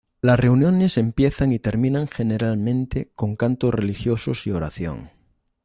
Las reuniones empiezan y terminan generalmente con cantos religiosos y oración.